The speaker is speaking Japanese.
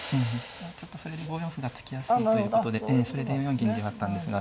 ちょっとそれで５四歩が突きやすいということでそれで４四銀に上がったんですが。